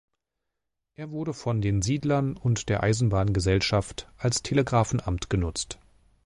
Er wurde von den Siedlern und der Eisenbahngesellschaft als Telegrafenamt genutzt.